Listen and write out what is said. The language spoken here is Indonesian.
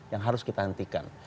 yang harus kita hentikan